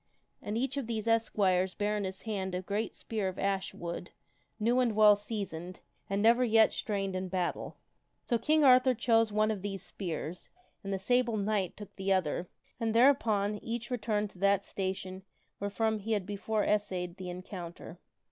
And each of these es quires bare in his hand a great spear of ash wood, new and well seasoned, and never yet strained in battle. So King Arthur chose one of these spears and the Sable Knight took the other, and thereupon each returned to that station wherefrom he had before essayed the encounter.